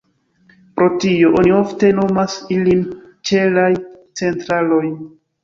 Pro tio, oni ofte nomas ilin ĉelaj "centraloj".